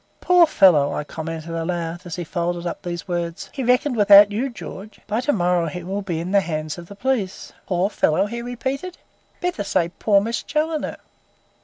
"Poor fellow," I commented aloud, as I folded up these words; "he reckoned without you, George. By to morrow he will be in the hands of the police." "Poor fellow?" he repeated. "Better say 'Poor Miss Challoner!